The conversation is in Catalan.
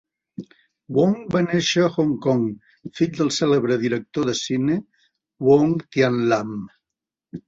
Wong va néixer a Hong Kong, fill del cèlebre director de cine Wong Tin-Lam.